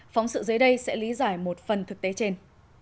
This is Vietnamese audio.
phóng sự dưới đây sẽ lý giải một phần thực tế trên